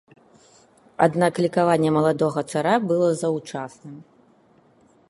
Аднак лікаванне маладога цара было заўчасным.